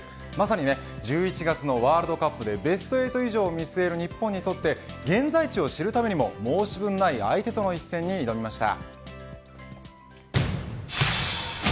まさに１１月のワールドカップでベスト８以上を見据える日本が現在地を見据えるためにも申し分ない相手に挑みました。